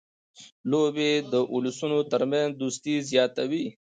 لوبې د اولسونو ترمنځ دوستي زیاتوي.